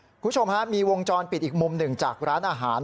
คุณผู้ชมฮะมีวงจรปิดอีกมุมหนึ่งจากร้านอาหาร